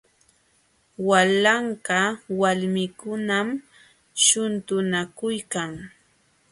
Walanqa walmikunam shuntunakuykan.